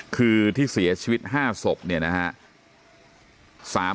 คือที่เสียชีวิต๕ศพเนี่ยนะฮะ